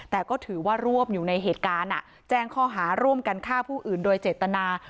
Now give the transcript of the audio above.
แต่ก็ถือว่ารวบอยู่ในเหตุการณ์แจ้งข้อหาร่วมกันฆ่าผู้อื่นโดยเจตนา